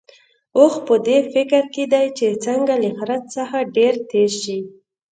اوښ په دې فکر کې دی چې څنګه له خره څخه ډېر تېز شي.